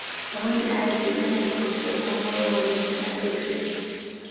Pamoja na hayo, sultani alipokea kwa moyo wamisionari Wakristo.